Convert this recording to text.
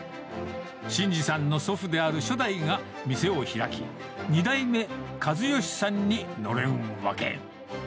慎司さんの祖父である初代が店を開き、２代目、和吉さんにのれん分け。